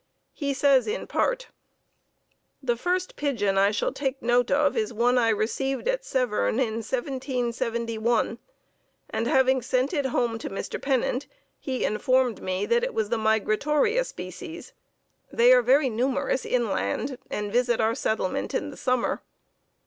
He says in part: "The first pigeon I shall take note of is one I received at Severn in 1771; and, having sent it home to Mr. Pennant, he informed me that it was the migratoria species. They are very numerous inland and visit our settlement in the summer.